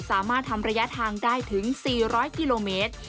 สามารถทำระยะทางได้ถึง๔๐๐กิโลเมตร